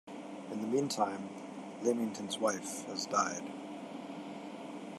In the meantime, Leamington's wife has died.